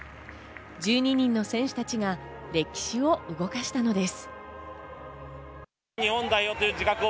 １２人の選手たちが歴史を動かしたのです。